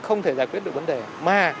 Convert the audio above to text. không thể giải quyết được vấn đề mà